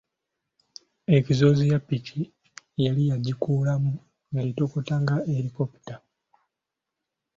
Ekizoosi ya ppiki yali yagikuulamu ng’etokota nga erikopita.